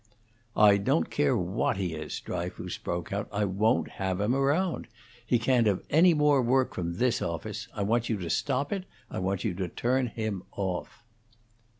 "I don't care what he is," Dryfoos broke out, "I won't have him round. He can't have any more work from this office. I want you to stop it. I want you to turn him off."